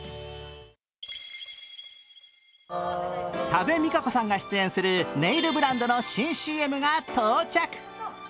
多部未華子さんが出演するネイルブランドの新ＣＭが到着。